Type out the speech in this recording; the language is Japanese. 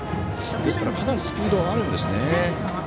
ですから、かなりスピードがあるんですね。